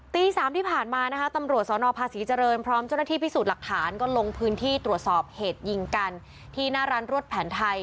ตี๓ที่ผ่านมานะคะตำรวจสนภาษีเจริญพร้อมเจ้าหน้าที่พิสูจน์หลักฐานก็ลงพื้นที่ตรวจสอบเหตุยิงกันที่หน้าร้านรวดแผนไทย